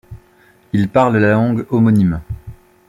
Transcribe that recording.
Ils parlent la langue homonyme.